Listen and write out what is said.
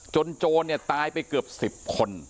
โจรเนี่ยตายไปเกือบ๑๐คน